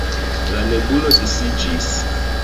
La nebulo disiĝis.